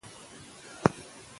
حکومت باید د هغوی امنیت ونیسي.